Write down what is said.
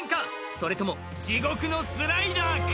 それとも地獄のスライダーか！？